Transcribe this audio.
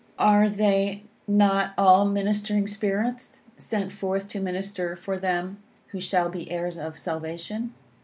"_Are they not all ministering spirits, sent forth to minister for them who shall be heirs of salvation?